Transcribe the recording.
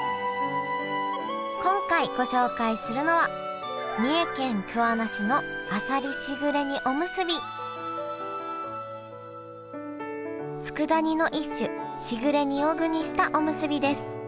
今回ご紹介するのはつくだ煮の一種しぐれ煮を具にしたおむすびです。